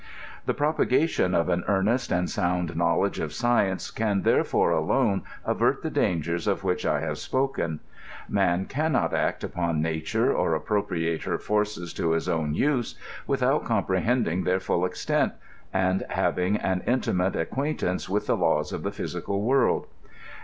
The propagation of an earnest &nd sound knowledge of science can therefore alone avert the dangeis of which I have spoken. Man can not act upon nature, or appropriate her forces to his own use, without comprehending their full extent; and having an intimate ac quaintance with the laws of the physical world.